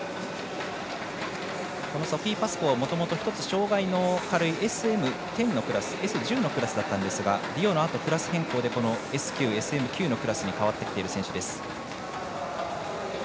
ソフィー・パスコーはもともと１つ障がいが軽いＳＭ１０のクラスだったんですがリオのあとクラス変更でＳ９、ＳＭ９のクラスに変わってきている選手です。